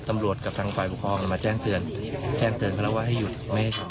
ตำรวจกับทางฝ่ายปกครองมาแจ้งเตือนแจ้งเตือนกันแล้วว่าให้หยุดไม่